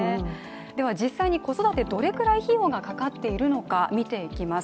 では実際に子育て、どれくらい費用がかかっているのか見ていきます。